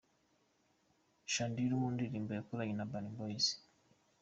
Chandiru mu ndirimbo yakoranye na Urban Boyz.